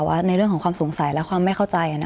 แต่ว่าในเรื่องของความสงสัยและความไม่เข้าใจ